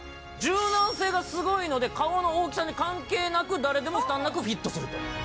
柔軟性がすごいので顔の大きさに関係なく誰でも負担なくフィットすると。